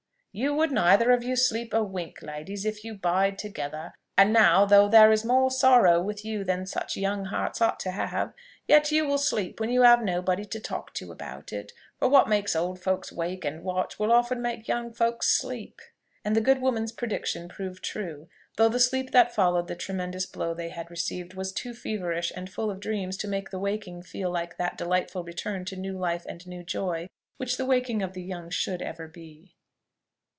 "You would neither of you sleep a wink, ladies, if you bide together. And now, though there is more sorrow with you than such young hearts ought to have, yet you will sleep when you have nobody to talk to about it; for what makes old folks wake and watch, will often made young folks sleep." And the good woman's prediction proved true; though the sleep that followed the tremendous blow they had received was too feverish and full of dreams to make the waking feel like that delightful return to new life and new joy which the waking of the young should ever be.